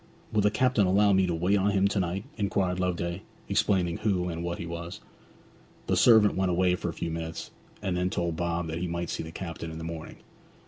'Will the captain allow me to wait on him to night?' inquired Loveday, explaining who and what he was. The servant went away for a few minutes, and then told Bob that he might see the captain in the morning.